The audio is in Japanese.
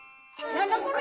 何だこれ！